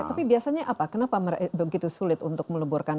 tapi biasanya apa kenapa begitu sulit untuk meleburkan